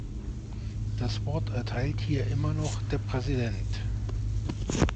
Das Wort erteilt hier immer noch der Präsident.